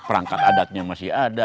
perangkat adatnya masih ada